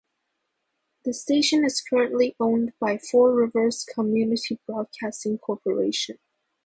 The station is currently owned by Four Rivers Community Broadcasting Corporation.